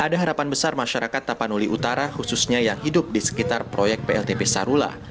ada harapan besar masyarakat tapanuli utara khususnya yang hidup di sekitar proyek pltp sarula